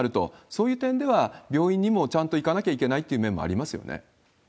そういう点では、病院にもちゃんと行かなきゃいけないという面もありますよね。